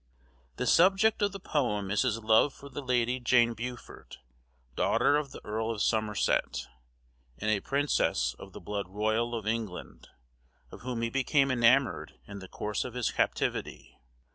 The subject of the poem is his love for the lady Jane Beaufort, daughter of the Earl of Somerset, and a princess of the blood royal of England, of whom he became enamoured in the course of his captivity.